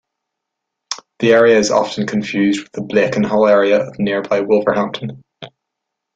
The area is often confused with the Blakenhall area of nearby Wolverhampton.